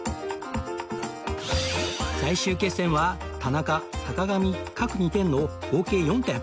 最終決戦は田中坂上各２点の合計４点